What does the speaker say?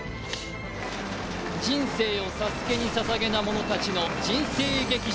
人生をＳＡＳＵＫＥに捧げた者たちの人生劇場